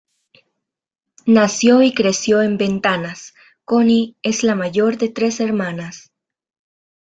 Nació y creció en Ventanas, Connie es la mayor de tres hermanas.